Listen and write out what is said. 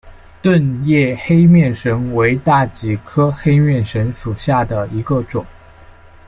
钝叶黑面神为大戟科黑面神属下的一个种。